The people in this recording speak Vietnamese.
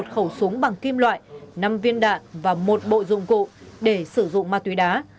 một khẩu súng bằng kim loại năm viên đạn và một bộ dụng cụ để sử dụng ma túy đá